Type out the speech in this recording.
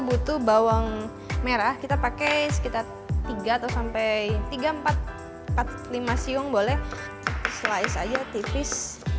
butuh bawang merah kita pakai sekitar tiga atau sampai tiga empat empat lima siung boleh slice aja tipis